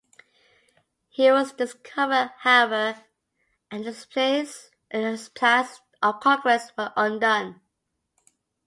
He was discovered, however, and his plans of conquest were undone.